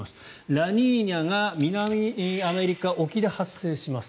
ラニーニャが南アメリカ沖で発生します